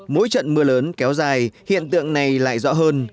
mỗi trận mưa lớn kéo dài hiện tượng này lại rõ hơn